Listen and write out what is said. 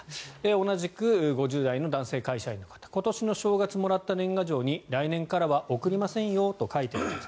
同じく５０代の男性会社員の方今年の正月もらった年賀状に来年からは送りませんよと書いてあった。